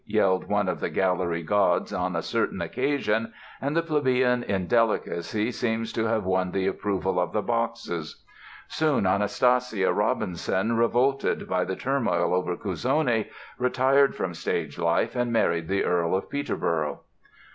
yelled one of the gallery gods on a certain occasion and the plebeian indelicacy seems to have won the approval of the boxes. Soon Anastasia Robinson, revolted by the turmoil over Cuzzoni, retired from stage life and married the Earl of Peterborough.